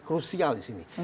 krusial di sini